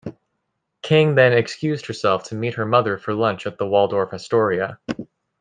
King then excused herself to meet her mother for lunch at the Waldorf-Astoria.